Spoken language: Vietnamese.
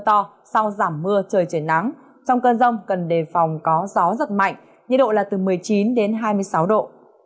trong cơn giông cần đề phòng có gió rất mạnh nhiệt độ là từ một mươi chín đến hai mươi sáu độ